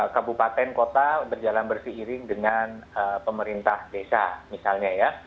kabupaten kota berjalan berseiring dengan pemerintah desa misalnya ya